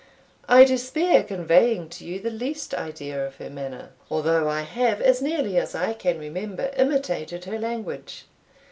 I despair conveying to you the least idea of her manner, although I have, as nearly as I can remember, imitated her language.